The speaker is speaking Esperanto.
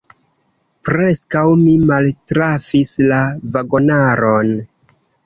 Preskaŭ mi maltrafis la vagonaron.